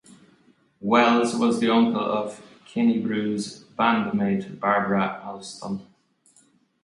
Wells was the uncle of Kenniebrew's bandmate Barbara Alston.